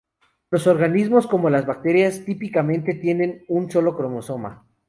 Los organismos como las bacterias típicamente tienen un solo cromosoma.